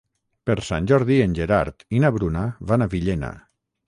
Per Sant Jordi en Gerard i na Bruna van a Villena.